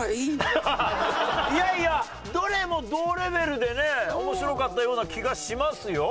いやいやどれも同レベルでね面白かったような気がしますよ。